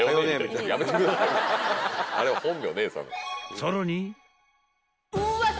［さらに］